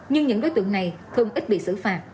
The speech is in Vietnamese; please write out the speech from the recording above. nhưng những đối tượng này thường ít bị sử phạt